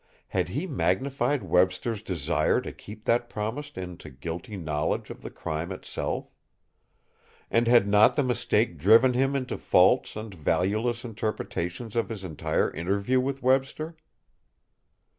Had he magnified Webster's desire to keep that promise into guilty knowledge of the crime itself? And had not the mistake driven him into false and valueless interpretations of his entire interview with Webster?